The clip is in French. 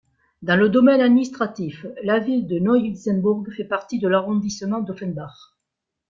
Dans le domaine administratif, la ville de Neu-Isenburg fait partie de l'arrondissement d'Offenbach.